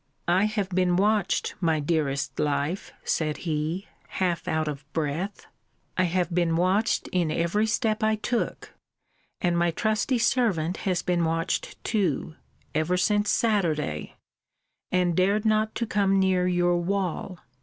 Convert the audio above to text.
I have been watched, my dearest life, said he, half out of breath I have been watched in every step I took: and my trusty servant has been watched too, ever since Saturday; and dared not to come near your wall.